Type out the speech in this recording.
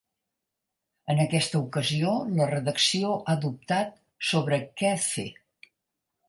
En aquesta ocasió la redacció ha dubtat sobre què fer.